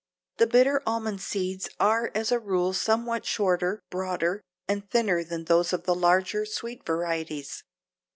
The bitter almond seeds are as a rule somewhat shorter, broader and thinner than those of the larger, sweet varieties.